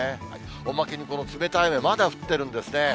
おまけにこの冷たい雨、まだ降ってるんですね。